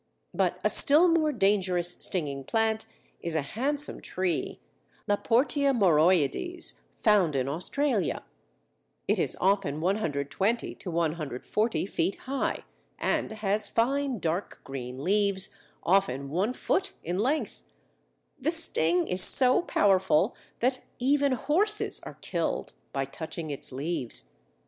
But a still more dangerous stinging plant is a handsome tree (Laportea moroides) found in Australia. It is often 120 140 feet high, and has fine dark green leaves often one foot in length. The sting is so powerful that even horses are killed by touching its leaves.